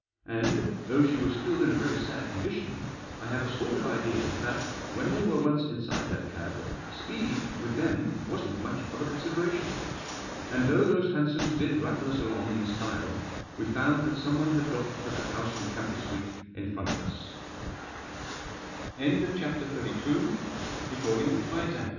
And, though she was still in a very sad condition, I have a sort of idea that, when they were once inside that cab, speed with them wasn't much of a consideration. And though those hansoms did rattle us along in style, we found that someone had got to that house in Camford Street in front of u